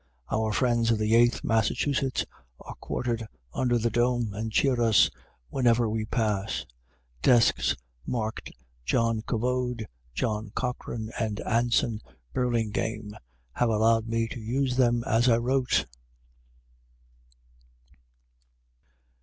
Our friends of the Eighth Massachusetts are quartered under the dome, and cheer us whenever we pass. Desks marked John Covode, John Cochran, and Anson Burlingame have allowed me to use them as I wrote.